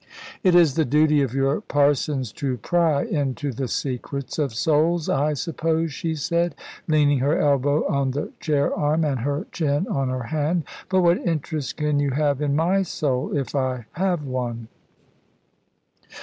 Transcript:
"It is the duty of you parsons to pry into the secrets of souls, I suppose," she said, leaning her elbow on the chair arm, and her chin on her hand. "But what interest can you have in my soul if I have one?"